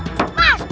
mas apaan itu